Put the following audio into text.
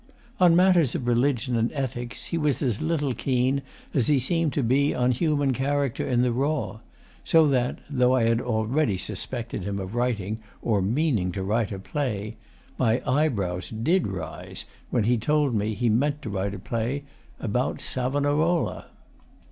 On matters of religion and ethics he was as little keen as he seemed to be on human character in the raw; so that (though I had already suspected him of writing, or meaning to write, a play) my eyebrows did rise when he told me he meant to write a play about Savonarola.